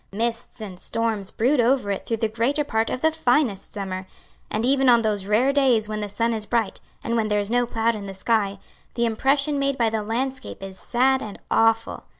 Mists and storms brood over it through the greater part of the finest summer; and even on those rare days when the sun is bright, and when there is no cloud in the sky, the impression made by the landscape is sad and awful.